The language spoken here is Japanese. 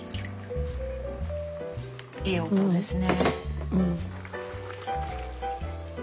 いい音ですね。